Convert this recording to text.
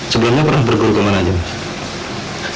sebelumnya pernah berguruh ke mana mas